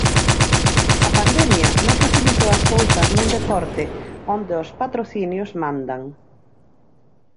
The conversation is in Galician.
A pandemia non facilitou as cousas nun deporte onde os patrocinios mandan.